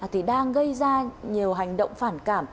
thì đang gây ra nhiều hành động phản cảm